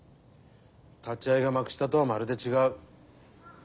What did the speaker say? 立ち合いが幕下とはまるで違う。